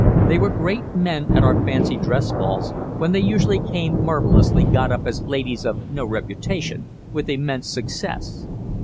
They were great men at our fancy dress balls, when they usually came marvelously got up as ladies of no reputation, with immense success.